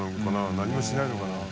何もしないのかな？